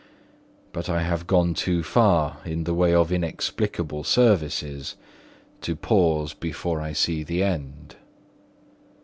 But I have gone too far in the way of inexplicable services to pause before I see the end."